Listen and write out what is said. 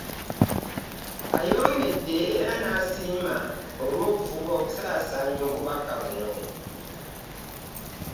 Ayongedde era n'abasiima olw'okufuba okusaasaanya obubaka buno